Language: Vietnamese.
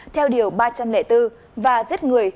theo điều ba trăm linh bốn và giết người